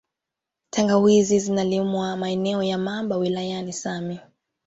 Tangawizi zinalimwa maeneo ya Mamba wilayani same